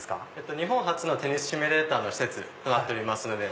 日本初のテニスシミュレーターの施設となっております。